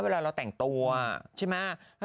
เวลาเราแต่งตัวใช่ไหม